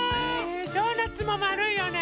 ドーナツもまるいよね。